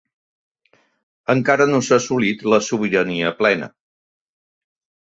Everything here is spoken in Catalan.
Encara no s'ha assolit la sobirania plena.